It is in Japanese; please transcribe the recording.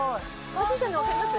はじいてるの分かります？